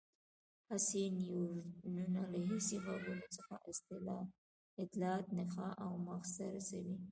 حسي نیورونونه له حسي غړو څخه اطلاعات نخاع او مغز ته رسوي.